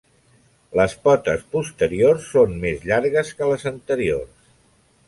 Les potes posteriors són més llargues que les anteriors.